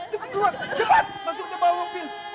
cepat cepat masuk ke bawah mobil